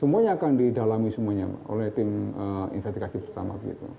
semuanya akan didalami semuanya oleh tim investigasi bersama